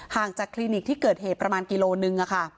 จากคลินิกที่เกิดเหตุประมาณกิโลนึง